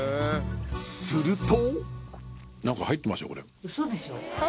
［すると］